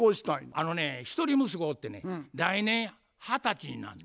あのね一人息子おってね来年二十歳になる。